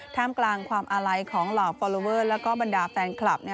ถ้ามกลางความอะไลของหล่อฟอลลอเวอร์และบรรดาแฟนคลับ